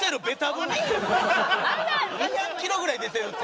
２００キロぐらい出てるって。